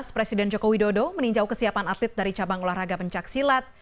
presiden joko widodo meninjau kesiapan atlet dari cabang olahraga pencaksilat